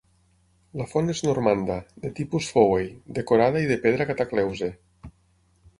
La font és normanda, de tipus Fowey, decorada i de pedra Catacleuze.